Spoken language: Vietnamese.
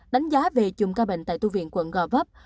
đánh giá về chùm ca bệnh tại tu viện quận gò vấp